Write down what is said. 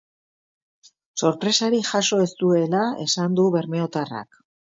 Sorpresarik jaso ez duela esan du bermeotarrak.